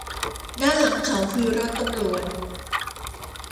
ด้านหลังเขาคือรถตำรวจ